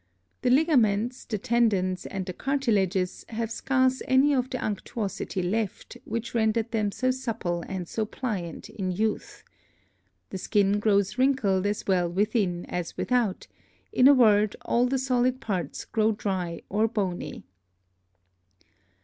The Ligaments, the Tendons, and the Cartilages have scarce any of the Unctuosity left, which render'd them so supple and so pliant in Youth. The Skin grows wrinkled as well within as without; in a word, all the solid Parts grow dry or bony.